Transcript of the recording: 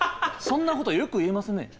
そんなことよく言えますね。